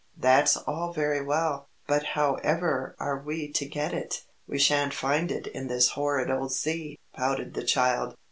"That's all very well, but however are we to get it? We shan't find it in this horrid old sea," pouted the child.